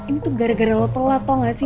ini tuh gara gara lo telat tau gak sih